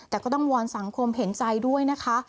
แต่ก็ต้องวอนสังคมเห็นใจด้วยนะคะ